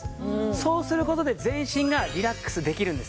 そうする事で全身がリラックスできるんですね。